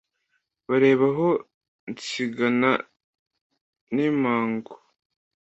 bareba aho nsigana n’imangu